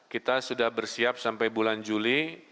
kita sudah bersiap sampai bulan juli